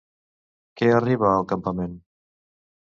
Què arriba al campament?